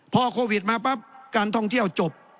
พอโควิดมาปั๊บการท่องเที่ยวจบ